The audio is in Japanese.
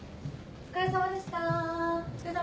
お疲れさまでした。